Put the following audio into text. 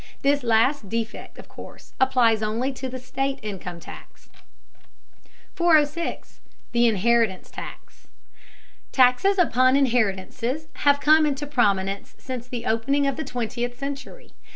This last defect of course applies only to the state income tax. 406. THE INHERITANCE TAX. Taxes upon inheritances have come into prominence since the opening of the twentieth century.